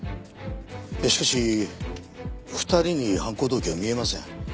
しかし２人に犯行動機は見えません。